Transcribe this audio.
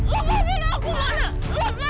lepasin aku mona